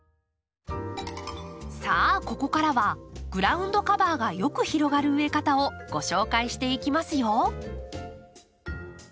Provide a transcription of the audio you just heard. さあここからはグラウンドカバーがよく広がる植え方をご紹介していきますよ！